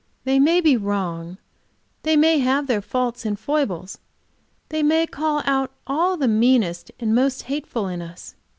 They may be wrong, they may have their faults and foibles, they may call out all that is meanest and most hateful in us.